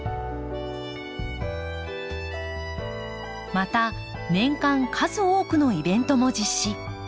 また年間数多くのイベントも実施。